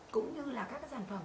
cũng như là các sản phẩm